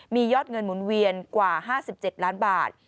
มียอดเงินหมุนเวียนกว่า๕๗ล้านบาท